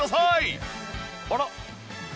あら？